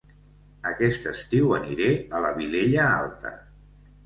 Aquest estiu aniré a La Vilella Alta